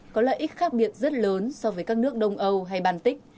có lợi ích khác biệt rất lớn so với các nước đông âu hay bàn tích